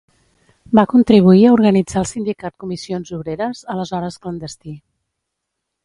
Va contribuir a organitzar el sindicat Comissions Obreres, aleshores clandestí.